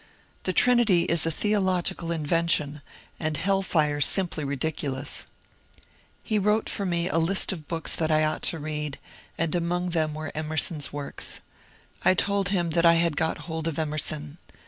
The Trinity is a theological invention, and hell fire simply ridiculous." He wrote for me a list of books that I ought to 80 MONCURE DANIEL CONWAY read, and among them were Emerson's works. I told him that I had got hold of Emerson.